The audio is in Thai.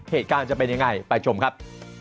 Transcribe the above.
เหตุการณ์จะเป็นยังไงไปชมครับ